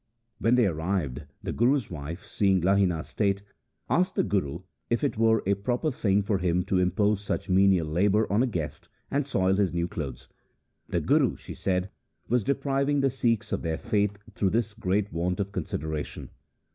When they arrived, the Guru's wife, seeing Lahina' s state, asked the Guru if it were a proper thing for him to impose such menial labour on a guest and soil his new clothes. The Guru, she said, was depriv ing the Sikhs of their faith through his great want of consideration.